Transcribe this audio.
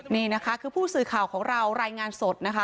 นี่นะคะคือผู้สื่อข่าวของเรารายงานสดนะคะ